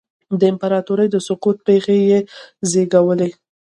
د امپراتورۍ د سقوط پېښې یې وزېږولې.